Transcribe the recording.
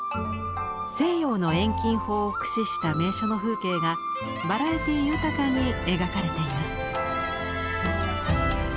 西洋の遠近法を駆使した名所の風景がバラエティー豊かに描かれています。